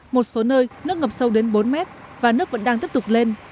một số nơi nước ngập sâu đến bốn mét và nước vẫn đang tiếp tục lên